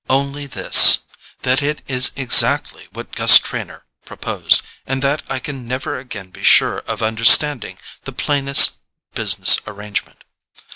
"Only this: that it is exactly what Gus Trenor proposed; and that I can never again be sure of understanding the plainest business arrangement."